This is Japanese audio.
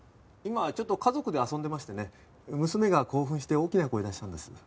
今ちょっと家族で遊んでましてね娘が興奮して大きな声出したんです。